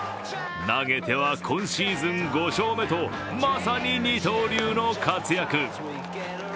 投げては今シーズン５勝目とまさに二刀流の活躍。